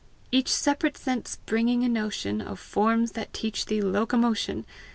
Each separate sense bringing a notion Of forms that teach thee locomotion!